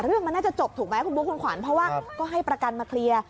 เรื่องมันน่าจะจบถูกไหมคุณบุ๊คคุณขวัญเพราะว่าก็ให้ประกันมาเคลียร์